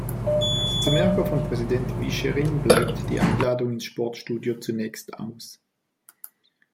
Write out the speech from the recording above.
Zum Ärger von Präsident Vischering bleibt die Einladung ins Sportstudio zunächst aus.